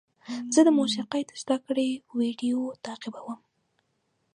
زه د موسیقۍ د زده کړې ویډیو تعقیبوم.